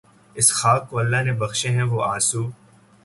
اس خاک کو اللہ نے بخشے ہیں وہ آنسو